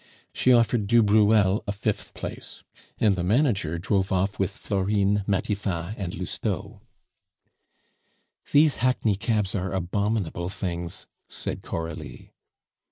She offered du Bruel a fifth place, and the manager drove off with Florine, Matifat, and Lousteau. "These hackney cabs are abominable things," said Coralie.